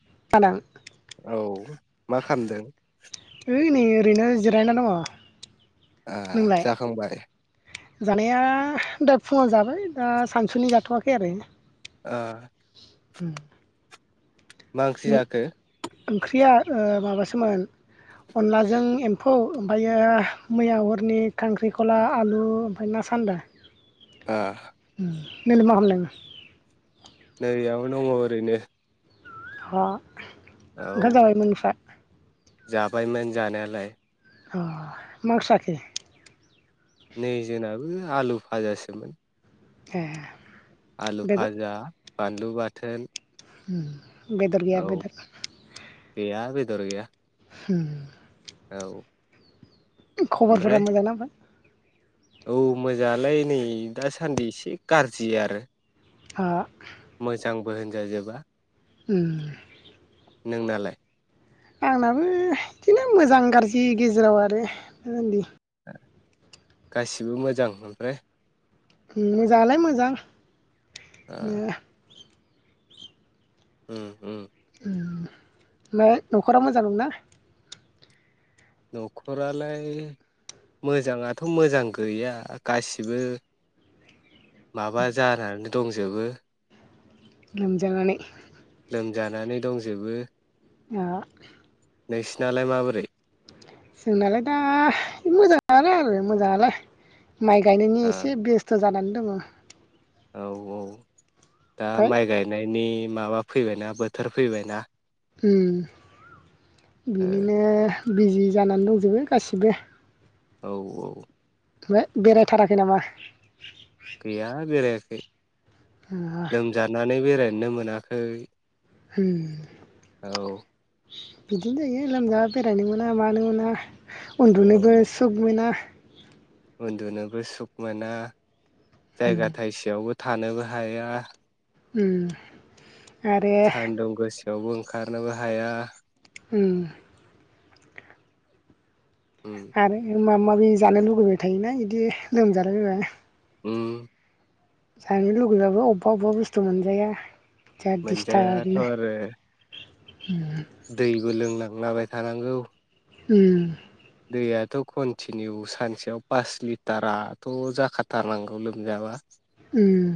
[unintelligible] औ मा खामदों? ओइ नै ओरैनो जिरायना दङ। ओ नोंलाय? जाखांबाय जानाया दा फुङाव जाबाय दा सानसुनि जाथ'वाखै आरो। ओ उम मा ओंख्रि जाखो? ओंख्रिया ओ माबासोमोन, नलाजों एम्फौ ओमफ्रायो मैया हरनि खांख्रिखला आलु ओमफफ्राय ना सान्दा। आ नोलाय मा खामनायमोन? नैयाबो दङ ओरैनो। हा ओंखाम औ जाबायमोनफ्रा जाबायमोन जानायालाय। अ मा ओंख्रि जाखो? नै जोनाबो आलु भाजासोमोन। ए। आलु बेदर भाजा बानलु बाथोन उम। बेदर गैया औ बेदर गैया बेदर गैया। होम। औ। खबरफोरा ओमफ्राय मोजां ना? औ मोजाङालाय नै दासान्दि एसे गाज्रि आरो। हा मोजांबो होनजाजोबा। उम। नोंनालाय? आंनाबो इदिनो मोजां गाज्रि गेजेराव आरो [inaudible] गासिबो मोजां ओमफ्राय? मोजाङालाय मोजां। Oh no. उम उम। उम ना न'खराव मोजां दंना। न'खरालाय मोजाङाथ' मोजां गैया गासिबो माबा जानानै दंजोबो। लोमजानानै। लोमजानानै दंजोबो। अ। नोंसिनालाय माबोरै? जोंनालाय दा मोजाङानो आरो मोजाङालाय। माइ गायनायनि आ एसे बेस्थ' जानानै दङ। औ औ। दा ओमफ्राय माइ गायनायनि माबा फैबायना बोथोर फैबायना? उम ओ बिनिनो बिजि जानानै दंजोबो गासिबो। औ औ। ओमबाय बेरायथाराखै नामा? खै। ओ लोमजानानै बेराय नो मोनाखै। हम औ बिदिनो जायो लोमजाबा बेरायनो मोना मानो मोना औ उन्दुनोबो सुख मोना। उन्दुनोबो सुख मोना। उम जायगा थाइसेयावबो थानोबो हाया। उम आरो सान्दुं गोसा यावबो ओंखारनोबो हाया। ओम उम आरो माबा माबि जानो लुुबैबाय थायोना इदि लोमजालाय बायबा उम जानो लुबैबाबो अबेबा अबेबा बुस्थु मोनजाया। जा मोनजायाथ' दिस्थाबनो आरो [unintelligible] गोलोंनांलाबाय थानांगौ उम दैयाथ' कन्टिनिउ सानसेयाव पास लिटाराथ' जाखाथारनांगौ लोमजाबा। ओम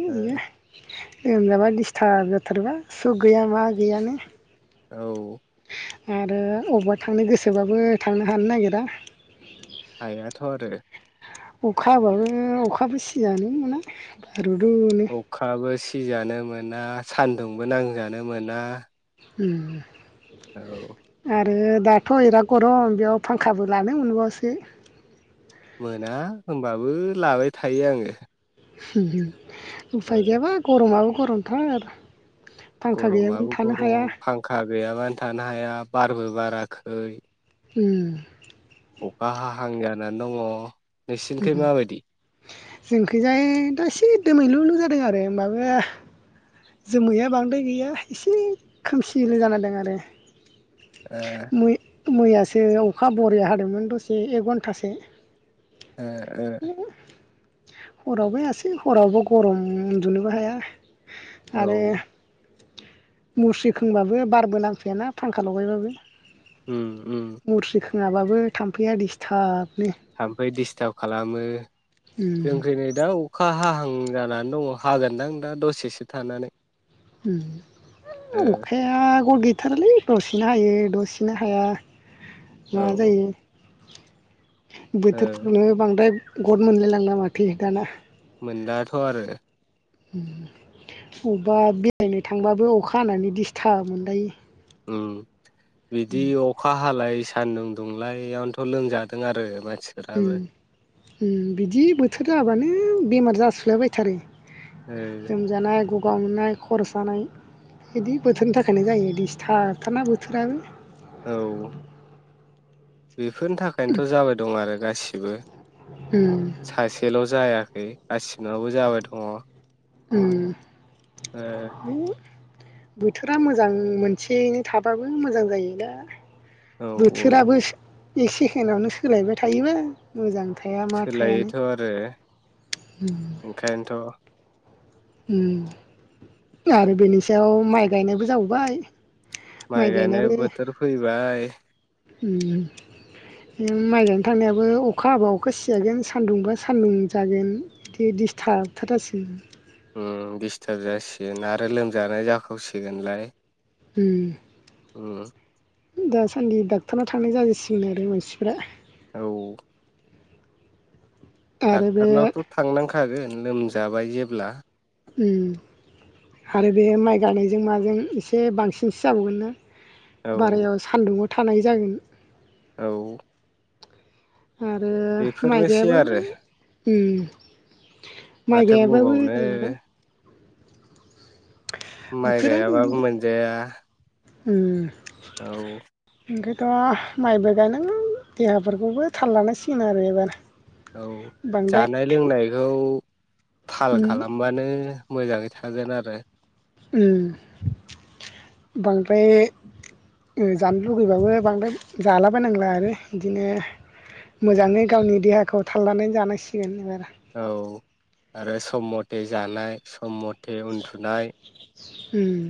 बिया ओ लोमजाबा दिस्थार्ब जाथारोबा सुख गैया मा गैयानो। औ आरो अबावबा थांनो गोसोबाबो थांनो हानो नागिरा। हायाथ' आरो। अखा हाबाबो अखाबो सिजानो मोना। रु रु नो। जानो मोना सान्दुंबो नांजानो मोना। ओम औ आरो दाथ' बिराद गरम बेयाव फांखाबो लानो मोनबावासो। मोना होनबाबो लाबाय थायो आङो। [unintelligible] ओ उफाय गैयाबा गरमाव गरमथार फांखा गरमाबबो गैयाबानो थानो हाया गरम फांखा गैयाबानो थानो हाया बारबो बाराखै। ओम। अखा हाहां जानानै दङ नोंसिनिथि उम माबायदि? जोंखैजाय दा एसे दोमैल'ल' जादों आरो ओमबाबो जोमैया बांद्राय गैया एसे खोमसिल' जाना दों आरो ए। मैयासो अखा बरिया हादोमोन दसे एक घन्टासो ओ ओ। हरावबो हायासै हरावबो गरम उन्दुनोबो हाया। आरो औ मुस्रि खोंबाबो बारबो नांफैयाना फांखा लगायबाबो ओम ओम। नाबाबो थाम्फैया डिस्थार्ब थाम्फै डिस्टार्ब खालामो उम जोंखै नै दा अखा हाहां उम जानानै दङ हागोनदां दा दसेसो थानानै। [unintelligible] अखाया गद थारालै दसेनो हायो दसेनो हाया। मा ओ जायो? ओ बोथोरफोरनो बांद्राय गट मोनलायलांना माथो दाना। मोनलाथ' आरो। अबेबा बेरायनो थांबाबो अखा हानानै दिसथाब मोनलायो। उम। बिदि अखा हालाय सा सान्दुं दुंलायावनोथ' लोंजादों आरो मा उम उम बिदि बोथोर जाबानो बेमार जासुलाायबायथारो। ओ जोमजानाय ग ग-गा मोननाय खर' सानाय इदि बोथोरनि थाखायनो जायो दिसथाब थारना बोथोराबो। औ। बेफोरनि थाखायनोथ' जाबाय दं आरो गासि उम [inaudible] सासेल' जाया। [unintelligible] गासिनावबो जाबाय दङ'। उम बोथोरा मोजां मोनसेयैनो थाबाबो मोजां जायो दा औ बोथोराबो एक सेकेणडआवनो सोलायबाय थायोबा मोजां थाया मा थायानो सोलायोथ' आरो उम ओंखायनोथ' आरो बेनि सायाव माइ गायनायबो जाबावबायय माइ गायनाय बोथोर फैबाय माइजनो थांनायाबो अखा हाबा अखा सिजागोन सान्दुंबा सान्दुं जागोन बिदि दिडिस्थाबथार जासिगोन दिस्टाब जासिगोन आरो लोमजानाय जाखावसिगोनलाय उम उम दासान्दि डक्टरनाव थांनाय जाजोबसिगोन आरो मानसिफ्रा ओ आरो बे डक्टारनावथ थांनांखा खागोन लोमजाबाय जेब्ला उम आरो बे माइ गायनायजों माजों एसे बांसिनसो जाबावगोन ना औ बारायाव सान्दुंङआव थानाय जागोन औ आरो माइ बेफोरनोसै गायाबाबो आरो उम माइ माथो गायाबाबो बुंबावनो जाया ना माइ गायाबाबो मोनजाया उम औ ओंखायथ' माइबो गायनांगोन देहाफोरखौबो थाल लानांसिगोन आरो एबार औ बांद्राय जानाय लोंनायखौ थाल उम खालामबानो मोजाङै थागोन आरो उम बांद्राय ओ जानो लुबैबाबो बांद्राय जालाबायनांला आरो बिदिनो मोजाङै गावनि देहाखौ थालनानै जानांसिगोन एबार औ आरो सम मथे जानाय सम म थे उदुनाय उम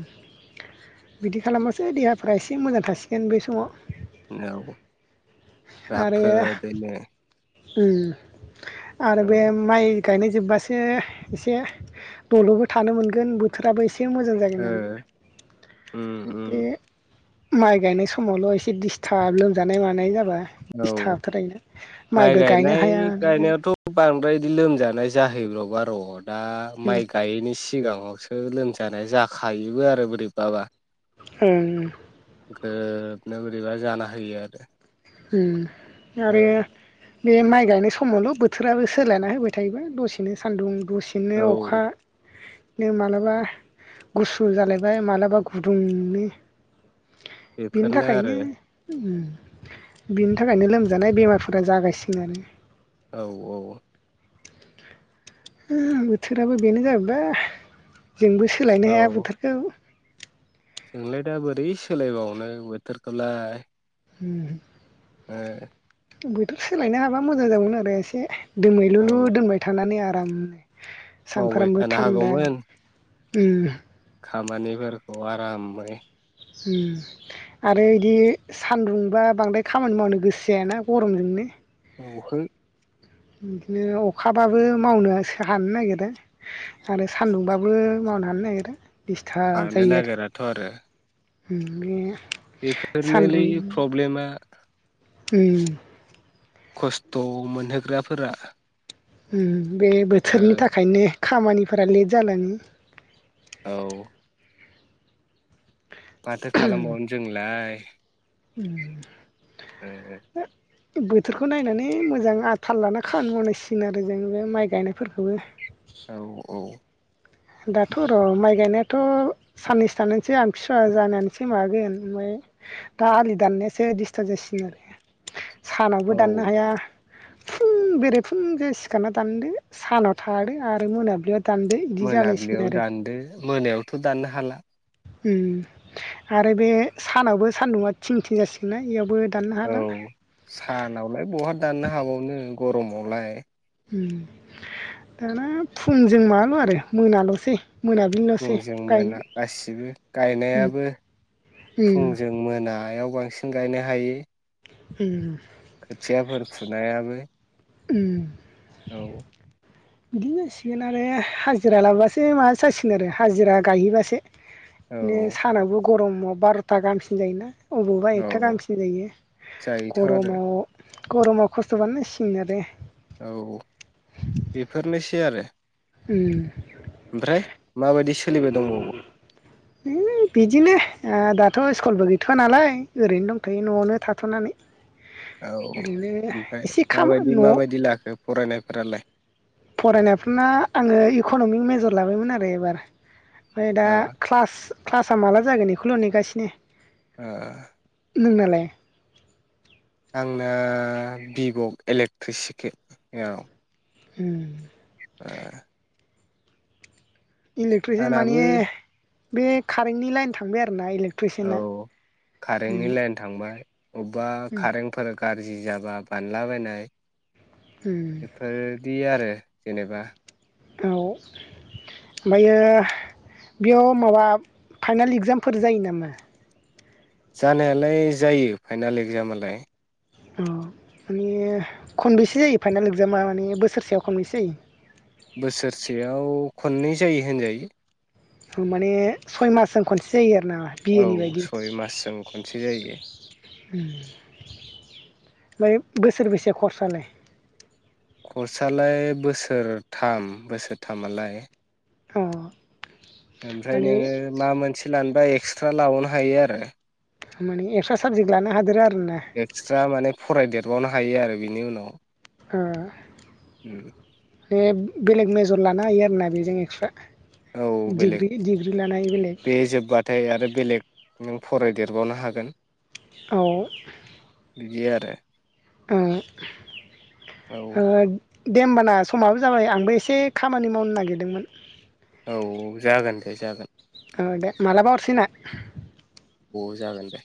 बिदि खालामासै देहाफ्रा एसे मोजां थासिगोन बै समाव औ आरो राफोदैनो उम आरो औ बे माइ गायनाय जोब्बासो एसे दल'बो थानो मोनगोन बोथोराबो एसे ए मोजां ओ जागोन आरोना। उम उम बे। माइ गायनाय समावल' एसे दिडिस्थाब लोमजानाय मानाय जाबाय। औ माइ गायनो गायनाय हाया माया। गायनायावथ' बांद्राय बिदि लोमजानाय जाहैब्र'बा रद दा माइ गायैनिसि सिगाङावसो लोमजानाय जाखायोबो आरो बोरैबाबा उम। ग्रोबनो बोरैबा जाना होयो आरो। उम आरो। बे माइ गायनाय समावल' बोथोराबो सोलायना होबाय थायोमा दसेनो सान्दुं दसेनो अखा औ बिदिनो माब्लाबा गुसु जालायबाय माब्लाबा गुदुंनो बेनि बेफोरनो थाखायनो आरो उम। बिनि थाखायनो लोमजानाय बेमारफोरा जागायसिगोनानो आरो। औ औ। उम बोथोराबो बेनो जाहैबाय। जोंबो सोलायनो हाया औ बोथोरखौ। जोंलाय दा बोरै सोलायबावनो बोथोरखौलाय। उम। ओ। बोथोर सोलायनो हाबा मोजां जागौमोन आरो एसे। औ दोमैलुलु दोनबाय थानानै आरो। [unintelligible] मावबाय सानफ्रामबो थानो थान्दा हागौमोन उम। खामानिफोरखौ आरामै उम आरो बिदि सान्दुंबा बांद्राय खामानि मावनो गोसो जायाना गरमजोंनो। [unintelligible] बिदिनो अखाबाबो मावनो हानो नागिरा आरो सान्दुंबाबो मावनो हानो नागिरा दिस्टार्ब हानो जायो आरो नागिराथ' आरो। [unintelligible] सान्दुं बेफोरनोलै प्रब्लेमा उम। खस्थ' मोनहोग्राफोरा। उम। बे ओ बोथोरनि थाखायनो खामानिफोरा लेट जालाङो औ। माथो खालामबावनो जोंलाय उम ओ बोथोरखौ नायनानै मोजां आ थाल लाना खामानि मावनांसिगोन आरो जों बे माइ गायनायफोरखौबो औ औ। दाथ' र' माइ गायनायाथ' साननैसो थानोसै आं फिसा जानानैसो माबागोन ओमफ्राय दा आलि दाननायासो डिस्थार्ब जासिगोन आरो। सानावबो औ दाननो हाया फुं बेरे फुंजा सिखारना दानदो सानाव थादो आरो मोनाब्लियाव दान्दो। मोनाबिलियाव दान्दो मोनायावथ' दाननो हाला उम आरो बे सानावबो सान्दुङा थिं थिं जासिगोन बेयावबो औ सानावलाय बहा दाननो हाबावनो गरमावलाय ओम दाना फुंजों माबाल' आरो मोनाल'सै मोनाबिलिल'सै फुंजों मोना गायनो गासिबो गायनायाबो फुंजों मोनायाव बांसिन गायनो हायो। ओम खोथियाफोर फुनायाबो उम औ बिदिनो जासिगोन आरो हाजिरा लाबासो माबा जासिगोन आरो हाजिरा गायहैबासो बिदिनो औ सानाबो गरमाव बार'था गाहामसिन जायोना अबावबा एकथा औ गाहामसिम जायो जायोथ' आरो गरमाव गरमाव खस्थ'बानो सिं आरो औ बेफोरनोसै सै आरो ओम ओमफ्राय माबायदि सोलिबाय दंबावो बिदिनो ओ दाथ' स्कुलबो गैथ'आ नालाय ओरैनो दंथ'यो न'आवनो थाथ'नानै औ ओरैनो ओमफ्राय एसे खाम माबायदि न' माबायदि लाखो फरायनायफोरालाय फरायनायफोरना आङो इक'न'मिक मेजर लाबायमोन आरो एबार ओमफाय दा ओ क्लास क्लासा माला जागोन इखौल' नेगासिनो ओ नोंनालाय आंना भिभ' इलेक्ट्रिसिक आव ओम ओ इलेक्ट्रिसियान माने आंनाबो बे खारेन्टनि लाइन थांबाय आरोना इलेक औ खारेन्टनि लाइन थांबाय अब्बा उम खारेन्टफोर गाज्रि जाबा बानलाबायनाय [unintelligible] दि आरो जेनेबा औ ओमफायो बेयाव माबा फाइनाल इगजामफोर जायो नामा? जानायालाय जायो फाइनाल एक्जामालाय। अ माने खनबेैसे जायो फाइनाल एक्जामा माने बोसोरसेयाव खनबैसे जायो? बोसोरसेयाव खननै जायो होनजायो। माने सय मासजों खनसे जायो आरो ना बि ए औ नि बायदि सय मासजों खनसे जायो ओम फाय बोसोरबैसे खर्स आलाय? खर्स आलाय बोसोरथाम बोसोरथामलाय अ ओमफ्राय माने नोङो मा मोनसे लानो बा एक्सट्रा लाबावनो हायो आरो। माने एक्स्रा साबजेक्ट लानो हादेरो आरो एक्सट्रा माने फरायदेरबावनो हायो आरो बिनि उनाव। हो बे बेलेग मेज जर लानो हायो आरोना बेजों एक्स्रा? औ बेलेग बेलेग बे जोब्बाथाय आरो बेलेग नों फरायदेरबावनो हागोन। औ बिदि आरो। ओ [unintelligible] औ दे होमबा ना समाबो जाबाय आंबो एसे खामानि मावनो नागिरदोंमोन। औ जागोन। दे जागोन। ओ दे मालाबा हरसिना। अ जागोन दे।